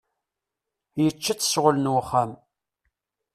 Yečča-tt ccɣel n wexxam.